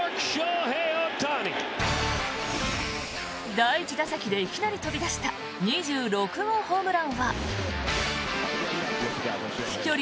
第１打席でいきなり飛び出した２６号ホームランは飛距離